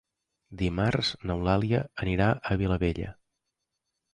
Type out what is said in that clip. Dimarts n'Eulàlia anirà a Vilabella.